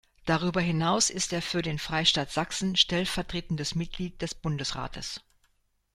Darüber hinaus ist er für den Freistaat Sachsen stellvertretendes Mitglied des Bundesrates.